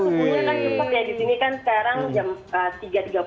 cuma subuhnya kan cukup ya disini kan sekarang jam tiga tiga puluh